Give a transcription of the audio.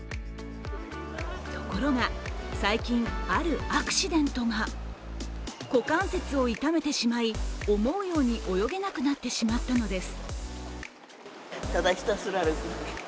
ところが、最近あるアクシデントが股関節を痛めてしまい、思うように泳げなくなってしまったのです。